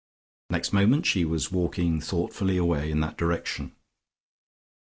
Next moment she was walking thoughtfully away in that direction.